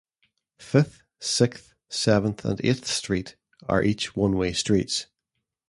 Fifth, sixth, seventh, and eighth street are each one-way streets.